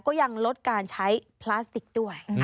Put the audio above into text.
ก็ยังลดการใช้พลาสติกด้วย